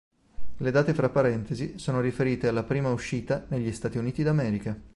Le date fra parentesi sono riferite alla prima uscita negli Stati Uniti d'America.